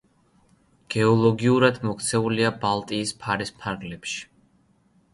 გეოლოგიურად მოქცეულია ბალტიის ფარის ფარგლებში.